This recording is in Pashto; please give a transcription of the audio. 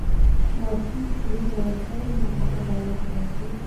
ماشوم ته مینه ورکول د هغه باور زیاتوي.